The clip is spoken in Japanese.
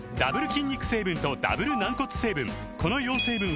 筋肉成分とダブル軟骨成分